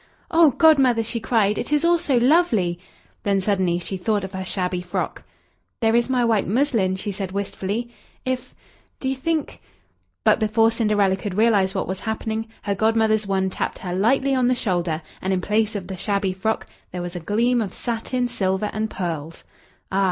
"Oh! Godmother," she cried, "it is all so lovely!" Then suddenly she thought of her shabby frock. "There is my white muslin," she said wistfully, "if do you think " But before Cinderella could realize what was happening, her Godmother's wand tapped her lightly on the shoulder, and in place of the shabby frock, there was a gleam of satin, silver, and pearls. Ah!